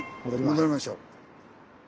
戻りましょう。